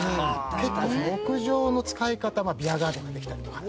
結構その屋上の使い方ビアガーデンができたりとか。